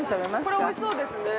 ◆これおいしそうですね。